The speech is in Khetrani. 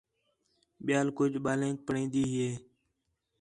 ٻِیال کُج ٻالینک پڑھین٘دی ہے